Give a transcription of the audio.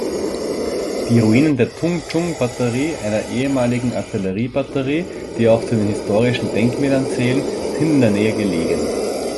Die Ruinen der Tung Chung Battery, einer ehemaligen Artillerie-Batterie, die auch zu den historischen Denkmälern zählen, sind in der Nähe gelegen.